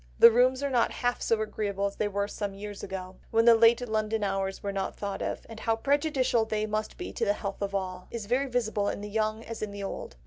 The rooms are not half so agreeable as they were some years ago, when the late London hours were not thought of; and how prejudicial must they be to the health of all, is very visible in the young as in the old....